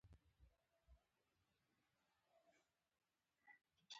لومړی مې په پښو په لغته وواهه.